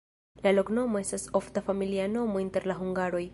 La loknomo estas ofta familia nomo inter la hungaroj.